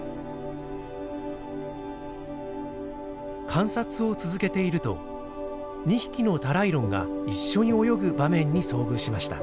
観察を続けていると２匹のタライロンが一緒に泳ぐ場面に遭遇しました。